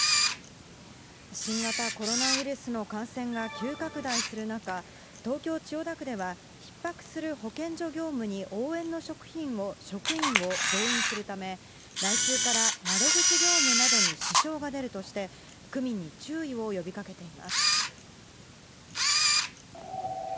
新型コロナウイルスの感染が急拡大する中、東京・千代田区では、ひっ迫する保健所業務に応援の職員を増員するため、来週から窓口業務などに支障が出るとして、区民に注意を呼びかけています。